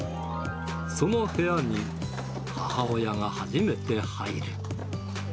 その部屋に、母親が初めて入る。